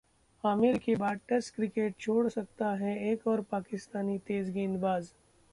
आमिर के बाद test cricket छोड़ सकता है एक और पाकिस्तानी तेज गेंदबाज